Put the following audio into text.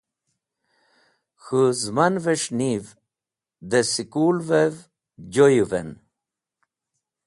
K̃hũ zẽman’ves̃h niv dẽ skul’vev (maktabev) joyũven.